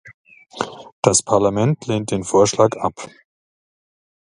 Das Parlament lehnt den Vorschlag ab.